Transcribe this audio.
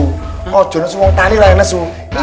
wajoh nesu wong tani lah yang nesu